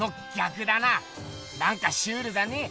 なんかシュールだね。